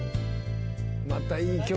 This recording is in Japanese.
またいい曲。